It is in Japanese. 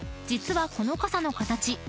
実はこの傘の形